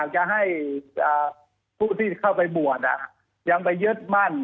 จะให้ผู้ที่เข้าไปบวชยังไปยึดมั่น